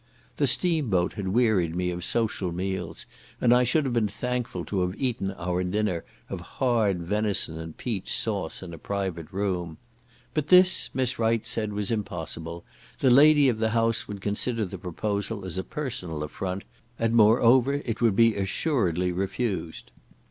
The steam boat had wearied me of social meals, and I should have been thankful to have eaten our dinner of hard venison and peach sauce in a private room; but this, Miss Wright said was impossible; the lady of the house would consider the proposal as a personal affront, and, moreover, it would be assuredly refused.